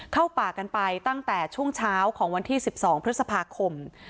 เข้าป่ากันไปตั้งแต่ช่วงเช้าของวันที่๑๒พฤษภาคม